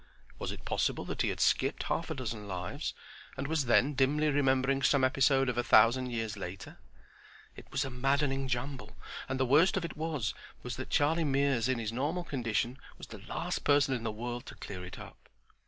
Was it possible that he had skipped half a dozen lives and was then dimly remembering some episode of a thousand years later? It was a maddening jumble, and the worst of it was that Charlie Mears in his normal condition was the last person in the world to clear it up.